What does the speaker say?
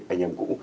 anh em cũ